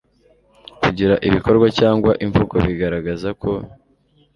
kugira ibikorwa cyangwa imvugo bigaragaza ko